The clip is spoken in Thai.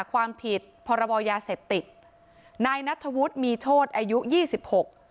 ความผิดพรบยาเสพติดนายนัทธวุฒิมีโชธอายุยี่สิบหก